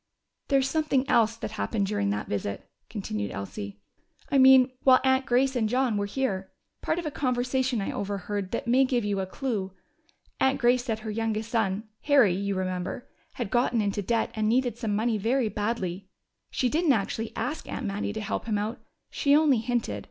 "There's something else that happened during that visit," continued Elsie. "I mean, while Aunt Grace and John were here. Part of a conversation I overhead that may give you a clue. Aunt Grace said her youngest son Harry, you remember had gotten into debt and needed some money very badly. She didn't actually ask Aunt Mattie to help him out: she only hinted.